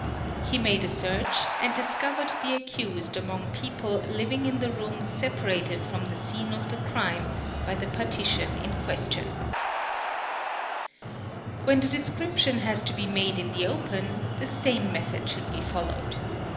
Hi: made a search and discovered the accused among people living in th room separated from the scene of the crime by the partition in questior When the description has to be made in the open, the same metho should be followed.